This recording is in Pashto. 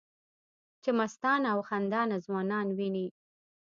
چې مستانه او خندانه ځوانان وینې